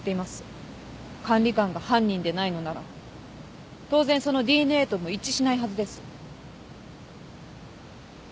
管理官が犯人でないのなら当然そのＤＮＡとも一致しないはずです。